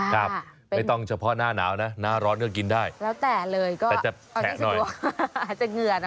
ครับไม่ต้องเฉพาะหน้าหนาวนะหน้าร้อนก็กินได้แต่จะแกะหน่อยอาจจะเหงื่อหน่อย